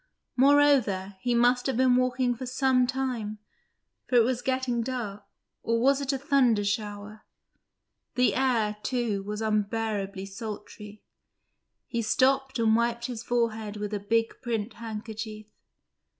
Moreover, he must have been walking for some time, for it was getting dark, or was it a thunder shower? The air, too, was unbearably sultry; he stopped and wiped his forehead with a big print handkerchief.